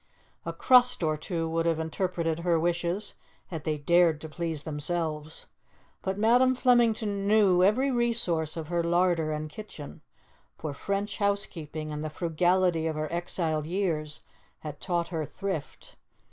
A crust or two would have interpreted her wishes, had they dared to please themselves. But Madam Flemington knew every resource of her larder and kitchen, for French housekeeping and the frugality of her exiled years had taught her thrift.